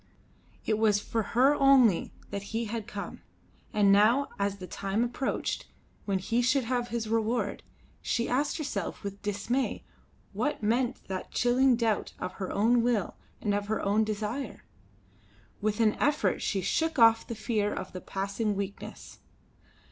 It was for her only that he had come; and now as the time approached when he should have his reward, she asked herself with dismay what meant that chilling doubt of her own will and of her own desire? With an effort she shook off the fear of the passing weakness.